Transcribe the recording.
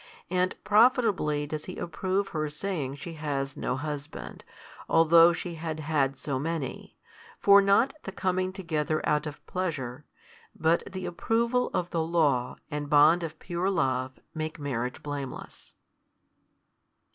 And profitably does He approve her saying she has no husband, although she had had so many; for not the coming together out of pleasure, but the approval of the law and bond of pure love make marriage blameless.